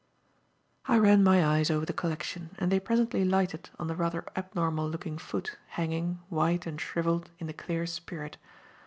I ran my eyes over the collection and they presently lighted on the rather abnormal looking foot, hanging, white and shrivelled in the clear spirit.